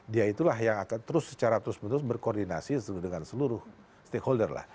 dia itulah yang akan terus secara terus menerus berkoordinasi dengan seluruh stakeholder lah